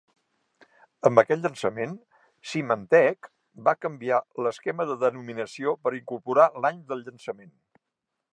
Amb aquest llançament, Symantec va canviar l'esquema de denominació per incorporar l'any del llançament.